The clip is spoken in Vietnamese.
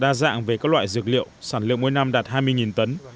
đa dạng về các loại dược liệu sản lượng mỗi năm đạt hai mươi tấn